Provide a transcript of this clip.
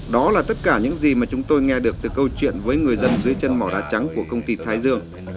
đó là tất cả những gì mà chúng tôi nghe được từ câu chuyện với người dân dưới chân màu đá trắng của công ty thái dương